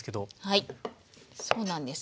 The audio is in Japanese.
はいそうなんです。